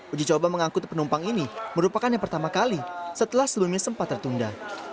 uji coba mengangkut penumpang ini merupakan yang pertama kali setelah sebelumnya sempat tertunda